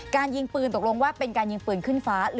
ยิงปืนตกลงว่าเป็นการยิงปืนขึ้นฟ้า